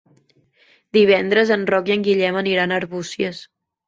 Divendres en Roc i en Guillem aniran a Arbúcies.